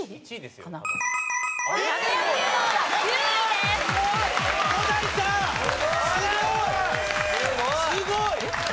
すごい！